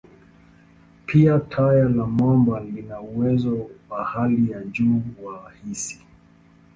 Pia, taya la mamba lina uwezo wa hali ya juu wa hisi.